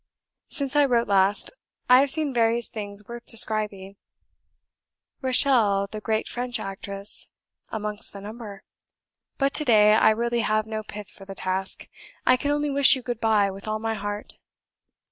... Since I wrote last, I have seen various things worth describing; Rachel, the great French actress, amongst the number. But to day I really have no pith for the task. I can only wish you good bye with all my heart."